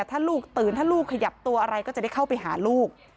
ถ้าลูกตื่นถ้าลูกขยับตัวอะไรก็จะได้เข้าไปหาลูก